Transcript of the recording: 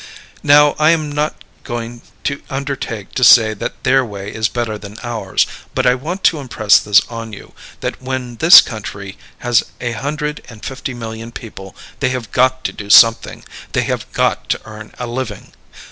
Now I am not going to undertake to say that their way is better than ours, but I want to impress this on you, that when this country has a hundred and fifty million people they have got to do something; they have got to earn a living.